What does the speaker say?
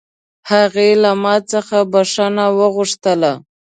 هغې له ما څخه بښنه وغوښته